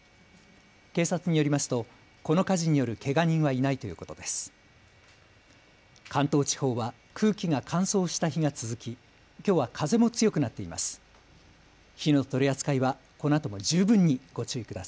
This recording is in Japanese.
警察によりますとこの火事によるけが人はいないということです。